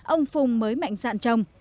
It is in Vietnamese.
ông phùng mới mạnh dạn trồng